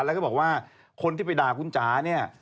แล้วก็บอกว่าคนที่ไปด่าคุณจ๋าเนี่ย